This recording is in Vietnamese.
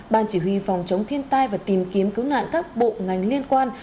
ban chỉ huy phòng chống thiên tai và tìm kiếm cứu nạn các bộ ngành liên quan